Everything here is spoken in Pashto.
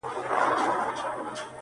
ګېډۍ، ګېډۍ ګلونه وشيندله!.